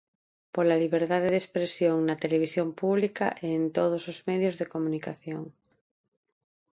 Pola liberdade de expresión na televisión pública e en todos os medios de comunicación.